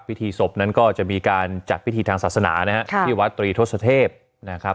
พิธีศพนั้นก็จะมีการจัดพิธีทางศาสนานะฮะที่วัดตรีทศเทพนะครับ